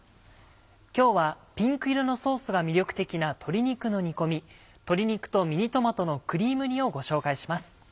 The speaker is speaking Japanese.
今日はピンク色のソースが魅力的な鶏肉の煮込み「鶏肉とミニトマトのクリーム煮」をご紹介します。